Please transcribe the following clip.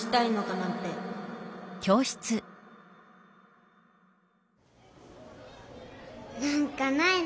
なんかないの？